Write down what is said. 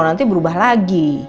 nanti berubah lagi